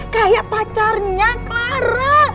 kayak pacarnya clara